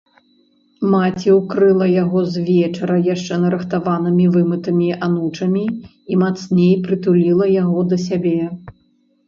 Маці ўкрыла яго звечара яшчэ нарыхтаванымі вымытымі анучамі і мацней прытуліла яго да сябе.